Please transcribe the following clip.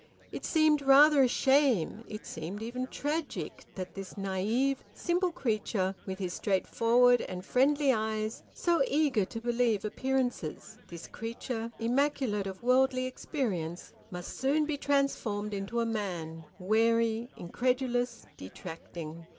It seemed rather a shame, it seemed even tragic, that this naive, simple creature, with his straightforward and friendly eyes so eager to believe appearances, this creature immaculate of worldly experience, must soon be transformed into a man, wary, incredulous, detracting.